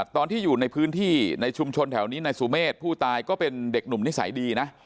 ตอนที่อยู่ในพื้นที่ในชุมชนแถวนี้นายสุเมฆผู้ตายก็เป็นเด็กหนุ่มนิสัยดีนะ